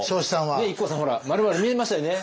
ねえＩＫＫＯさんほら「〇〇」見えましたよね？